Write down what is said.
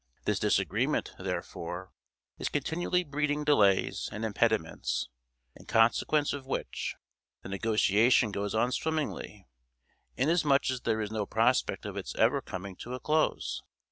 This disagreement, therefore, is continually breeding delays and impediments, in consequence of which the negotiation goes on swimmingly, inasmuch as there is no prospect of its ever coming to a close.